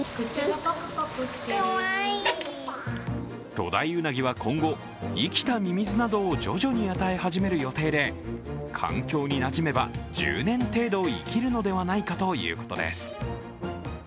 巨大ウナギは今後、生きたミミズなどを徐々に与え始める予定で環境になじめば１０年程度生きるのではないかということです。